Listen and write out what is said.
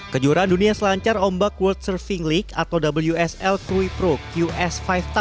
kejuaraan dunia selancar ombak world surfing league atau wsl tiga pro qs lima